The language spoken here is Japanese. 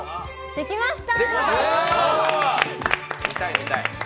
できました。